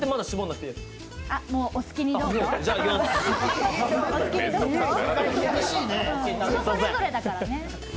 人それぞれだからね。